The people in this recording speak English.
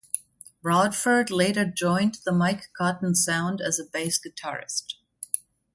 Rodford later joined the Mike Cotton Sound as a bass guitarist.